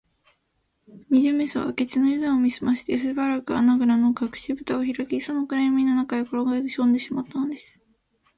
二十面相は明智のゆだんを見すまして、すばやく穴ぐらのかくしぶたをひらき、その暗やみの中へころがりこんでしまったのです